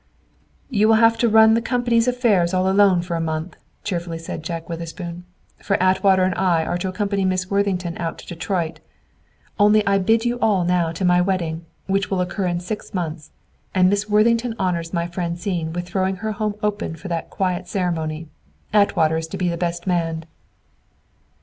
"You will have to run the company's affairs alone for a month," cheerfully said Jack Witherspoon; "for Atwater and I are to accompany Miss Worthington out to Detroit. Only I bid you all now to my wedding, which will occur in six months, and Miss Worthington honors my Francine with throwing her home open for that quiet ceremony. Atwater is to be the best man!"